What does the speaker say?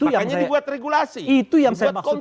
makanya dibuat regulasi